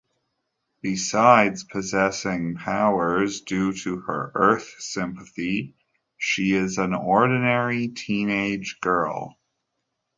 Besides possessing powers due to her "Earth sympathy", she is an ordinary teenage girl.